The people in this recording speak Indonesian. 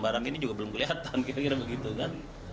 barang ini juga belum kelihatan kira kira begitu kan